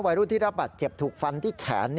วัยรุ่นที่รับบัตรเจ็บถูกฟันที่แขน